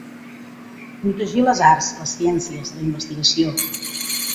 Protegir les arts, les ciències, la investigació.